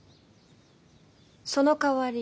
そのかわり。